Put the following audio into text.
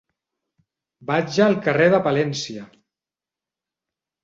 Vaig al carrer de Palència.